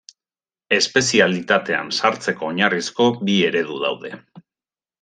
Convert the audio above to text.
Espezialitatean sartzeko oinarrizko bi eredu daude.